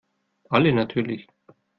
Alle natürlich.